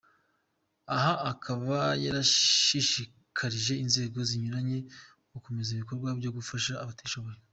Aha akaba yarashishikarije inzego zinyuranye gukomeza ibikorwa byo gufasha abatishoboye.